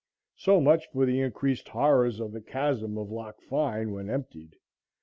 So much for the increased horrors of the chasm of Loch Fyne when emptied.